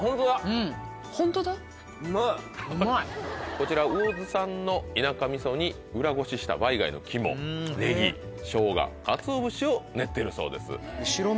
こちら魚津産の田舎みそに裏ごししたバイ貝の肝ネギショウガかつお節を練ってるそうです。